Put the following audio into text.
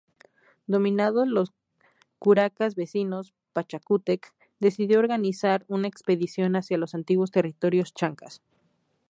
Dominados los curacas vecinos, Pachacútec decidió organizar una expedición hacia los antiguos territorios chancas.